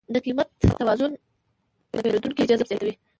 د قیمت توازن د پیرودونکو جذب زیاتوي.